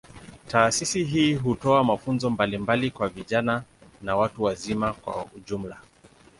Taasisi hii hutoa mafunzo mbalimbali kwa vijana na watu wazima kwa ujumla.